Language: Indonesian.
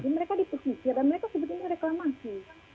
mereka di pesisir dan mereka sebut ini reklamasi